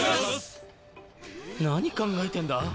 何考えてんだ？